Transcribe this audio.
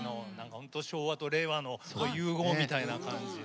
本当に昭和と令和の融合みたいな感じで。